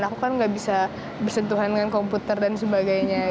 aku kan gak bisa bersentuhan dengan komputer dan sebagainya